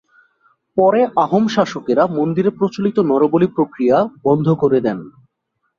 পরে আহোম শাসকেরা মন্দিরে প্রচলিত নরবলি প্রক্রিয়া বন্ধ করে দেন।